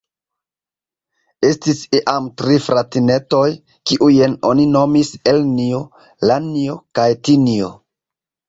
Estis iam tri fratinetoj, kiujn oni nomis Elnjo, Lanjo, kaj Tinjo.